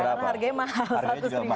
karena harganya mahal seratus ribu